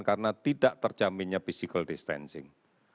karena tidak terjaminnya physical distancing